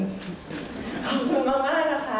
ขอบคุณมากนะคะ